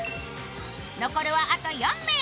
残るはあと４名。